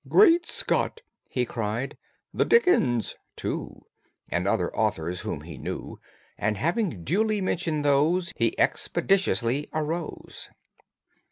"Great Scott!" he cried. "The Dickens!" too, And other authors whom he knew, And having duly mentioned those, He expeditiously arose.